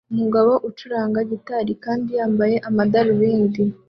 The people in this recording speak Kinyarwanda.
Umugabo acuranga gitari kandi yambaye amadarubindi